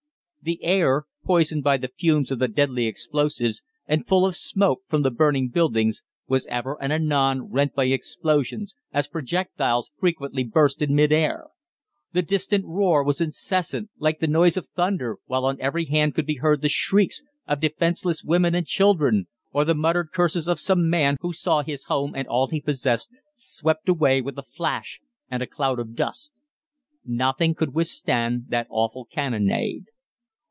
The air, poisoned by the fumes of the deadly explosives and full of smoke from the burning buildings, was ever and anon rent by explosions as projectiles frequently burst in mid air. The distant roar was incessant, like the noise of thunder, while on every hand could be heard the shrieks of defenceless women and children, or the muttered curses of some man who saw his home and all he possessed swept away with a flash and a cloud of dust. Nothing could withstand that awful cannonade.